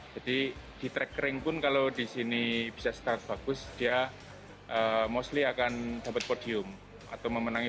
jadi di track kering pun kalau di sini bisa start bagus dia mostly akan dapat podium atau memenangi